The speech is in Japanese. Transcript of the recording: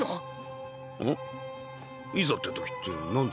いざって時って何だ？